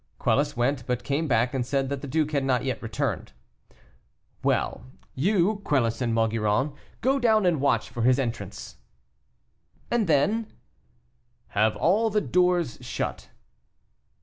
Quelus went, but came back, and said that the duke had not yet returned. "Well, you, Quelus and Maugiron, go down and watch for his entrance." "And then?" "Have all the doors shut."